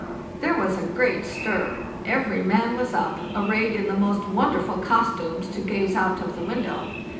There was a great stir. Every man was up, arrayed in the most wonderful costumes, to gaze out of the window.